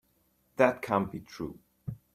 That can't be true.